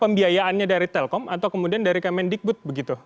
pembiayaannya dari telkom atau kemudian dari kemendikbud begitu